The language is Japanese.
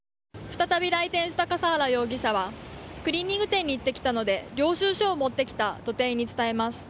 再び来店した笠原容疑者はクリーニング店に行ってきたので領収書を持ってきたと店員に伝えます。